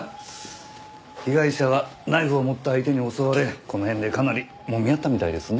被害者はナイフを持った相手に襲われこの辺でかなりもみ合ったみたいですね。